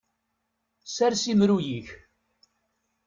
Sers imru-yik.